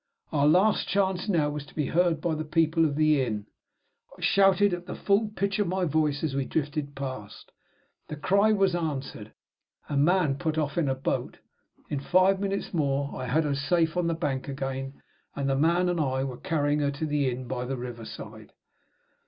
Our last chance now was to be heard by the people of the inn. I shouted at the full pitch of my voice as we drifted past. The cry was answered. A man put off in a boat. In five minutes more I had her safe on the bank again; and the man and I were carrying her to the inn by the river side.